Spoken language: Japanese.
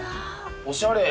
おしゃれ。